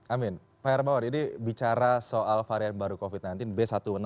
amin pak hermawan ini bicara soal varian baru covid sembilan belas b seribu enam ratus empat puluh dua